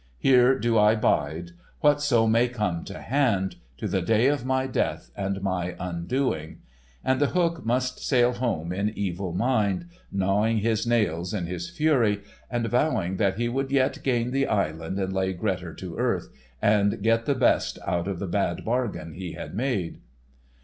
Here do I bide, whatso may come to hand, to the day of my death and my undoing," and The Hook must sail home in evil mind, gnawing his nails in his fury, and vowing that he would yet gain the island and lay Grettir to earth, and get the best out of the bad bargain he had made.